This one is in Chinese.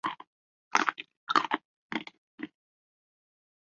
高速公路路线编号与东九州自动车道被共同编为。